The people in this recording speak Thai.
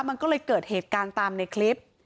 มันก็เลยเกิดเหตุการณ์ตามในคลิป